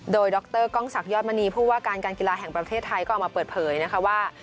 โดยดรกล้องศักดอดมณีผู้ว่าการการกีฬาแห่งประเทศไทยก็ออกมาเปิดเผยนะคะว่า